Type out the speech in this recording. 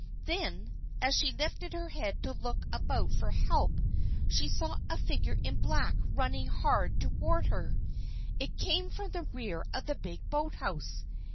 Then, as she lifted her head to look about for help, she saw a figure in black running hard toward her. It came from the rear of the big boathouse.